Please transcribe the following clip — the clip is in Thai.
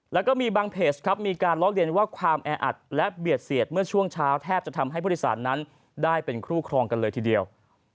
แล้วก็มีบางเพจครับมีการล้อเลียนว่าความแออัดและเบียดเสียดเมื่อช่วงเช้าแทบจะทำให้ผู้โดยสารนั้นได้เป็นคู่ครองกันเลยทีเดียว